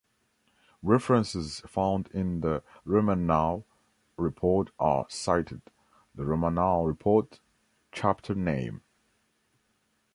References found in the Romanow Report are cited: The Romanow Report: Chapter Name.